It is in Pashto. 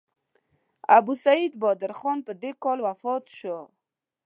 ابوسعید بهادر خان په دې کال وفات شو.